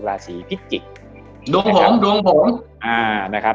ราศีพิจิกนะครับ